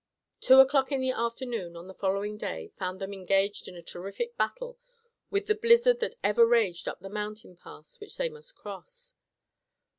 Two o'clock in the afternoon of the following day found them engaged in a terrific battle with the blizzard that ever raged up the mountain pass which they must cross.